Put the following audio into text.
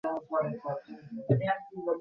তার কাপড় পুরাতন হয়ে গেছে।